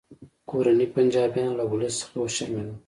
کورني پنجابیان له ولس څخه وشرمیدل